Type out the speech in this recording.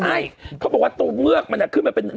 ใช่เขาบอกว่าตัวเงือกมันขึ้นมาเป็น